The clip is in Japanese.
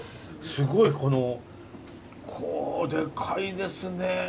すごいこのでかいですね。